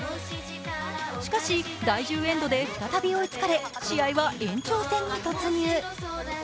しかし、第１０エンドで再び追いつかれ試合は延長戦に突入。